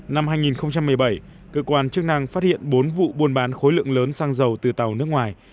năm hai nghìn một mươi bảy cơ quan chức năng phát hiện bốn vụ buôn bán khối lượng lớn xăng dầu từ tàu nước ngoài